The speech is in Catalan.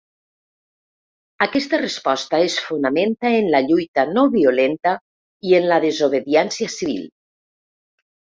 Aquesta resposta es fonamenta en la lluita no violenta i en la desobediència civil.